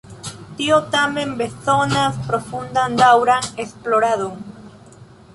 Tio tamen bezonas profundan, daŭran esploradon.